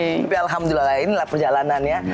tapi alhamdulillah inilah perjalanannya